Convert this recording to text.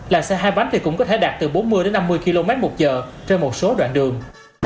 làng xe hai bánh thì cũng có thể đạt từ bốn mươi năm mươi kmh trên một số đoạn đường